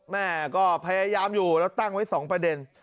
แม่ก็พยายามอยู่แล้วตั้งไว้๒ประเด็น